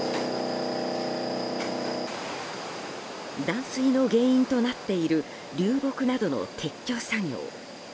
断水の原因となっている流木などの撤去作業。